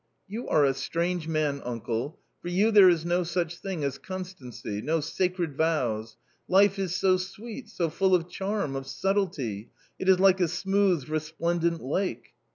" You are a strange man, uncle ! for you there is no such thing as constancy, no sacred vows. Life is so sweet, so full of charm, of subtlety, it is like a smooth, resplendent lake."